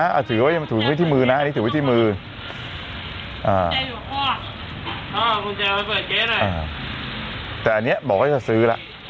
อันนี้ถือไว้ที่มือนะอันนี้ถือไว้ที่มือแต่อันนี้บอกว่าจะซื้อแล้ว